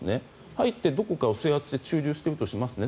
入ってどこかを制圧して駐留するとしますね。